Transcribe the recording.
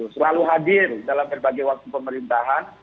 selalu hadir dalam berbagai waktu pemerintahan